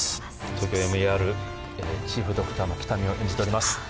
「ＴＯＫＹＯＭＥＲ」チーフドクターの喜多見を演じております。